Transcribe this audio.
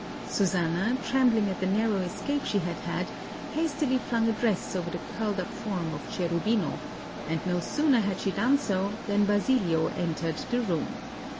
Susanna, trembling at the narrow escape she had had, hastily flung a dress over the curled up form of Cherubino; and no sooner had she done so, than Basilio entered the room.